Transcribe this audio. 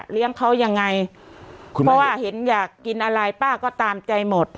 เลี้ยงเขายังไงเพราะว่าเห็นอยากกินอะไรป้าก็ตามใจหมด